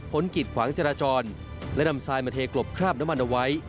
กิดขวางจราจรและนำทรายมาเทกลบคราบน้ำมันเอาไว้